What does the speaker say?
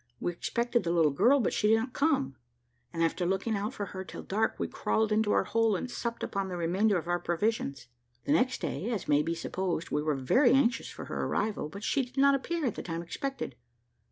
We expected the little girl, but she did not come, and after looking out for her till dark, we crawled into our hole and supped upon the remainder of our provisions. The next day, as may be supposed, we were very anxious for her arrival, but she did not appear at the time expected.